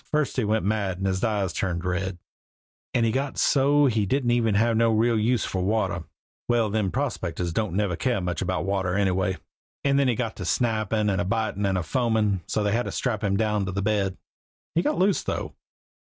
First he went mad and his eyes turned red, and he got so he didn't have no real use for water well, them prospectors don't never care much about water anyway and then he got to snappin' and bitin' and foamin' so's they had to strap him down to his bed. He got loose though."